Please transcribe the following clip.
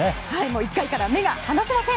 １回から目が離せません。